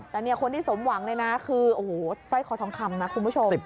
แต่เนี่ยคนที่สมหวังเลยนะคือโอ้โหสร้อยคอทองคำนะคุณผู้ชม